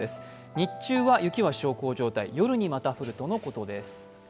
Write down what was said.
日中は雪は小康状態、夜にまた降るということです。